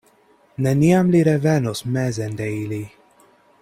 Neniam li revenos mezen de ili.